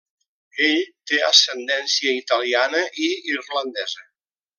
Ell té ascendència italiana i irlandesa.